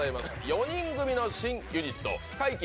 ４人組の新ユニット、怪奇！